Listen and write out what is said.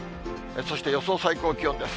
そして、予想最高気温です。